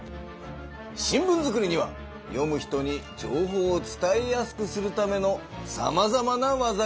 新聞作りには読む人に情報を伝えやすくするためのさまざまな技がある。